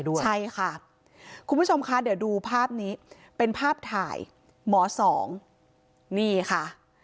ด้วยใช่ค่ะคุณผู้ชมคะเดี๋ยวดูภาพนี้เป็นภาพถ่ายหมอสองนี่ค่ะ